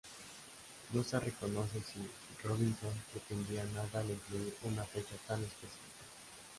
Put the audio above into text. No se conoce si Robinson pretendía nada al incluir una fecha tan específica.